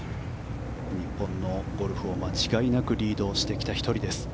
日本のゴルフを間違いなくリードしてきた１人です。